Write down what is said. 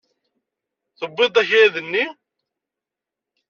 Tewwiḍ-d akayad-nni?